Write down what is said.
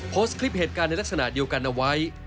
โพสต์คลิปเหตุการณ์ในลักษณะเดียวกันเอาไว้